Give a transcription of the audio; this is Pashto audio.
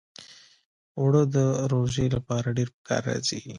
اوړه د روژې لپاره ډېر پکار راځي